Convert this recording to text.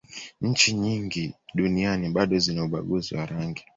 nchi nyingi duniani bado zina ubaguzi wa rangi